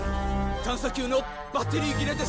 探査球のバッテリー切れです！